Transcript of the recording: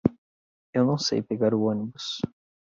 Eu não sei pegar o ônibus.